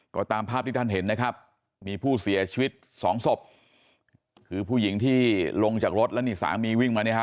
ก็ตามภาพที่ท่านเห็นนะครับมีผู้เสียชีวิตสองศพคือผู้หญิงที่ลงจากรถแล้วนี่สามีวิ่งมาเนี่ยฮ